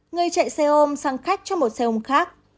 người chạy xe ôm sang khách cho một xe ôm khác